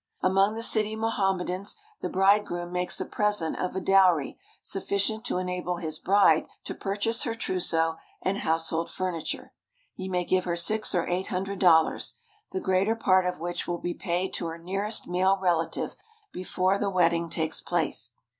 Among the city Mohammedans the bridegroom makes a present of a dowry sufficient to enable his bride to pur chase her trousseau and household furniture. He may give her six or eight hundred dollars, the greater part of which will be paid to her nearest male relative before the wedding takes place.